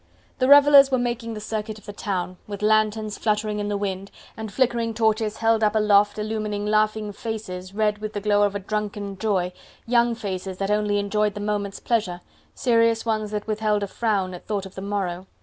The revellers were making the circuit of the town, with lanthorns fluttering in the wind, and flickering torches held up aloft illumining laughing faces, red with the glow of a drunken joy, young faces that only enjoyed the moment's pleasure, serious ones that withheld a frown at thought of the morrow.